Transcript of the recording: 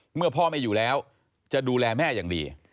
เมื่อพ่อไม่อยู่แล้วจะดูแลแม่อย่างดี